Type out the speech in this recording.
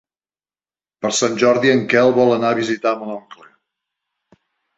Per Sant Jordi en Quel vol anar a visitar mon oncle.